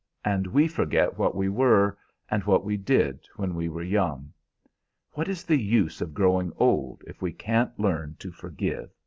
And we forget what we were, and what we did, when we were young. What is the use of growing old if we can't learn to forgive?"